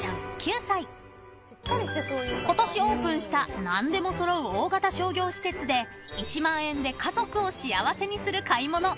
［今年オープンした何でも揃う大型商業施設で１万円で家族を幸せにする買い物スタート］